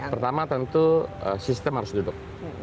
pertama tentu sistem harus duduk